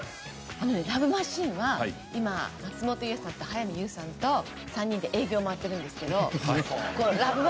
あのね『ＬＯＶＥマシーン』は今松本伊代さんと早見優さんと３人で営業回ってるんですけど『ＬＯＶＥ